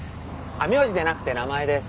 名字じゃなくて名前です